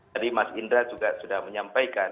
tadi mas indra juga sudah menyampaikan